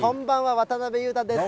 渡辺裕太です。